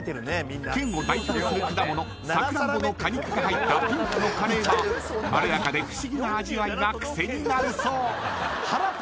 ［県を代表する果物サクランボの果肉が入ったピンクのカレーはまろやかで不思議な味わいが癖になるそう］